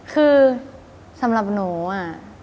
คือสำหรับหนูอะ